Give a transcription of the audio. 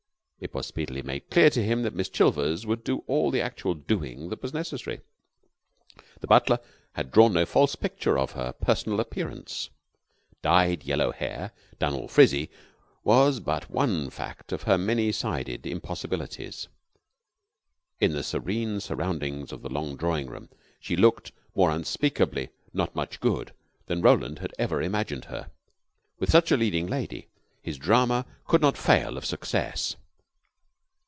It was speedily made clear to him that Miss Chilvers would do all the actual doing that was necessary. The butler had drawn no false picture of her personal appearance. Dyed yellow hair done all frizzy was but one fact of her many sided impossibilities. In the serene surroundings of the long drawing room, she looked more unspeakably "not much good" than Roland had ever imagined her. With such a leading lady, his drama could not fail of success.